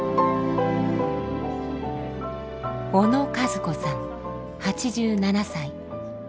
小野和子さん８７歳。